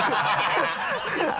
ハハハ